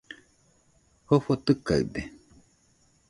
Jofo tɨkaɨde